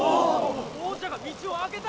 王者が道をあけた！